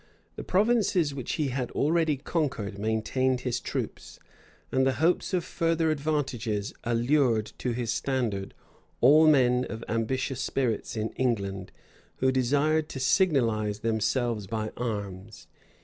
The provinces which he had already conquered maintained his troops; and the hopes of further advantages allured to his standard all men of ambitious spirits in England, who desired to signalize themselves by arms.